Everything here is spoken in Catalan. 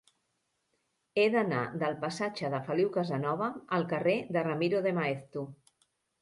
He d'anar del passatge de Feliu Casanova al carrer de Ramiro de Maeztu.